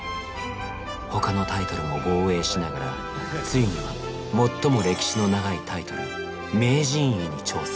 他のタイトルも防衛しながらついには最も歴史の長いタイトル名人位に挑戦。